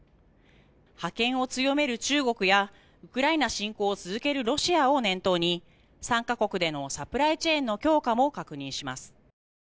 覇権を強める中国やウクライナ侵攻を続けるロシアを念頭に３か国でのサプライチェーンの強化も確認します。